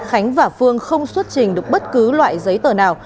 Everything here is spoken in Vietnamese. khánh và phương không xuất trình được bất cứ loại giấy tờ nào